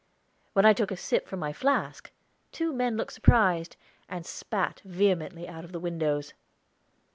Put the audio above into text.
When I took a sip from my flask, two men looked surprised, and spat vehemently out of the windows.